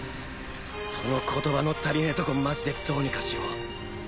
その言葉の足りねとこマジでどうにかしろ。